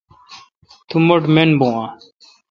تو مٹھ مین بھو اؘ۔